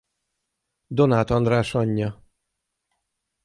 Donáth András anyja.